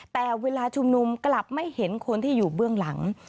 แต่เวลาชุมนุมกลับไม่เห็นคนที่อยู่เบื้องหลัง